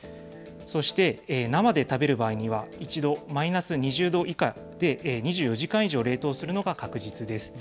そして生で食べる場合には、一度マイナス２０度以下で、２４時間以上冷凍するのが確実です。